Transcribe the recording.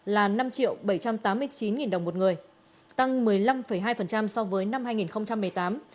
là năm bảy trăm tám mươi chín đồng một người tăng một mươi năm hai so với năm hai nghìn một mươi tám